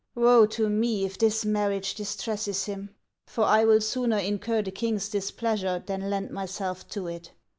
" Wcje to me if this marriage distresses him, for I will sooner incur the king's displeasure than lend myself to it.